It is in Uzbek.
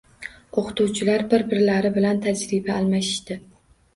O‘qituvchilar bir-birlari bilan tajriba almashishdi.